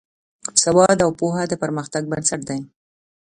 سواد او پوهه د پرمختګ بنسټ دی.